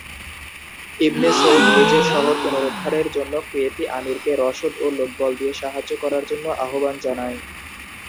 ইবনে Saud নিজের শহর পুনরুদ্ধারের জন্য কুয়েতি আমিরকে রসদ ও লোকবল দিয়ে সাহায্য করার জন্য আহ্বান জানান।